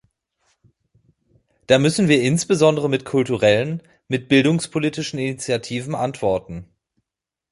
Da müssen wir insbesondere mit kulturellen, mit bildungspolitischen Initiativen antworten.